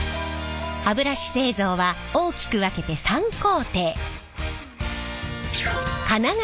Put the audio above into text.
歯ブラシ製造は大きく分けて３工程。